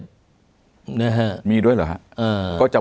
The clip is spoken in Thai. เพราะฉะนั้นเรื่องโรคภัยไข้เจ็บ